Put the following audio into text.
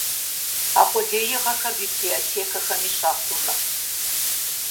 А къулеигъэхэр библиотекэхэми щахъумэ.